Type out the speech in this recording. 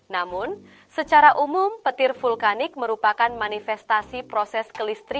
namun secara umum petir vulkanik merupakan manifestasi proses kelistrikan